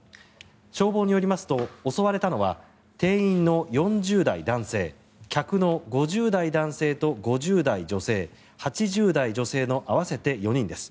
消防によりますと襲われたのは店員の４０代男性客の５０代男性と５０代女性８０代女性の合わせて４人です。